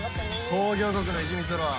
工業国の意地見せろ。